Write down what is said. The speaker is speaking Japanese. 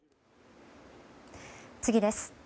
次です。